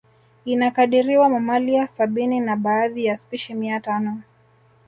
Inakadiriwa mamalia sabini na baadhi ya spishi mia tano